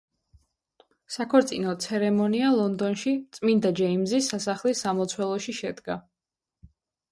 საქორწინო ცერემონია ლონდონში, წმინდა ჯეიმზის სასახლის სამლოცველოში შედგა.